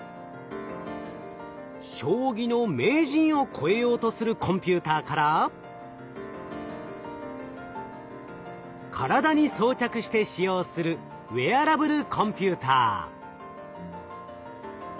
将棋の名人を超えようとするコンピューターから体に装着して使用するウェアラブルコンピューター。